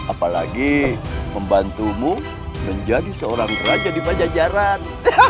apalagi membantumu menjadi seorang raja di pajajaran